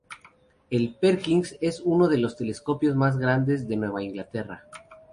El "Perkins" es uno de los telescopios más grandes de Nueva Inglaterra.